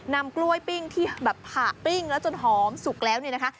นำกล้วยปิ้งที่แบบผ่าปิ้งแล้วจนหอมสุกแล้วเนี่ยนะคะ